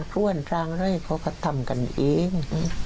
ช่วนทำอะไรเขาก็ทำกันเอง